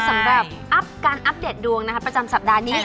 สำหรับอัพการอัปเดตดวงนะคะประจำสัปดาห์นี้